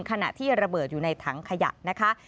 ขณะที่ระเบิดอยู่ในถังขยะนะคะ